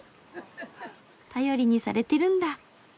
頼りにされてるんだ。